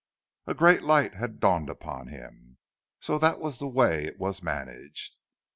A great light had dawned upon him. So that was the way it was managed!